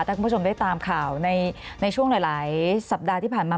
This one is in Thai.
ถ้าคุณผู้ชมได้ตามข่าวในช่วงหลายสัปดาห์ที่ผ่านมา